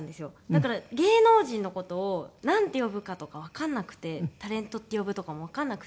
だから芸能人の事をなんて呼ぶかとかわかんなくて「タレント」って呼ぶとかもわかんなくて。